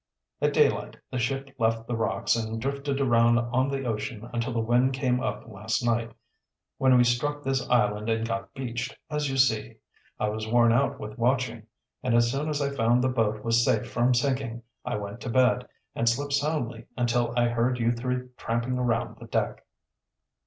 At daylight the ship left the rocks and drifted around on the ocean until the wind came up last night, when we struck this island and got beached, as you see. I was worn out with watching, and as soon as I found the boat was safe from sinking I went to bed, and slept soundly until I heard you three tramping around the deck."